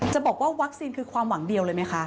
จะบอกว่าวัคซีนคือความหวังเดียวเลยไหมคะ